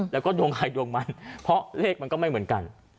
แล้วก็ดวงใครดวงมันเพราะเลขมันก็ไม่เหมือนกัน